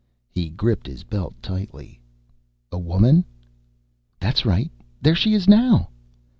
He gripped his belt tightly. "A woman?" "That's right. There she is now."